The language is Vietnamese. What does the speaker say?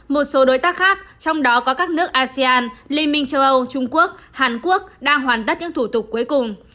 một số đối tác khác trong đó có các nước asean liên minh châu âu trung quốc hàn quốc đang hoàn tất những thủ tục cuối cùng